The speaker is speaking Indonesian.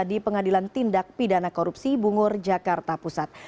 di pengadilan tindak pidana korupsi bungur jakarta pusat